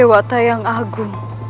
aku tak bisa menangis lagi